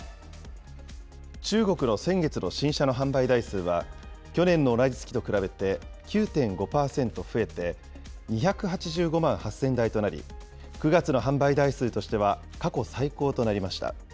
中国の先月の新車の販売台数は、去年の同じ月と比べて、９．５％増えて、２８５万８０００台となり、９月の販売台数としては過去最高となりました。